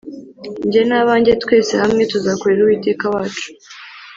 njye na banjye twese hamwe tuzakorera uwiteka wacu